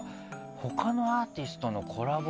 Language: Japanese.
「他のアーティストとのコラボステージ」。